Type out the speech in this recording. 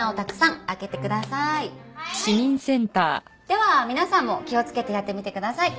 では皆さんも気をつけてやってみてください。